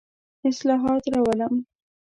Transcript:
اصلاحات راولم.